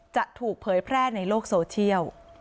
จะถูกเผยแพร่ในโลกโซเชียล